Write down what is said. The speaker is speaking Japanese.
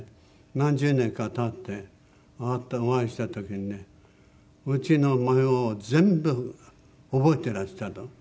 何十年か経ってまたお会いした時にねうちの模様を全部覚えてらしたの。